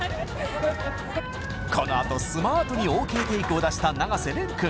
このあとスマートにＯＫテイクを出した永瀬廉くん